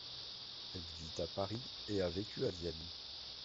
Elle vit à Paris et a vécu à Vienne.